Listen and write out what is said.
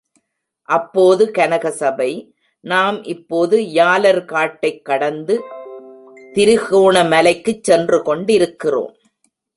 அப்போது கனகசபை, நாம் இப்போது யாலர் காட்டை கடந்து திரிகோணமலைக்குச் சென்று கொண்டிருக்கிறோம்.